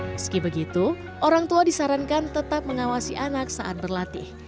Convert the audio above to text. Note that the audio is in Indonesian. meski begitu orang tua disarankan tetap mengawasi anak saat berlatih